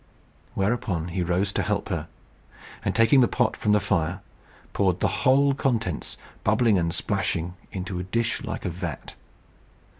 Whereupon he rose to help her; and taking the pot from the fire, poured the whole contents, bubbling and splashing, into a dish like a vat.